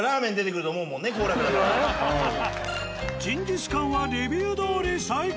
やっぱジンギスカンはレビューどおり最高！